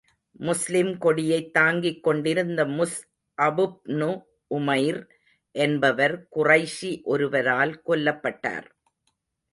முஸ்லிம் கொடியைத் தாங்கிக் கொண்டிருந்த முஸ்அபுப்னு உமைர் என்பவர் குறைஷி ஒருவரால் கொல்லப்பட்டார்.